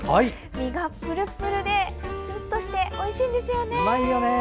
身がプルプルで、ツルッとしておいしいんですよね。